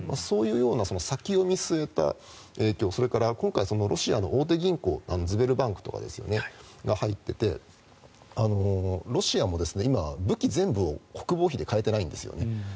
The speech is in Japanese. そういう先を見据えた影響それから今回、ロシアの大手銀行ズベルバンクとかが入っていてロシアも武器全部を国防費で買えていないんですよね。